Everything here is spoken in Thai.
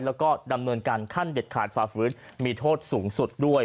แล้วก็ดำเนินการขั้นเด็ดขาดฝ่าฝืนมีโทษสูงสุดด้วย